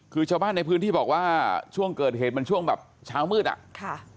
คือชาวบ้านในพื้นที่บอกว่าช่วงเกิดเหตุมันช่วงแบบเช้ามืดอ่ะค่ะ